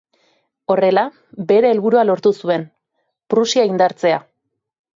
Horrela, bere helburua lortu zuen: Prusia indartzea.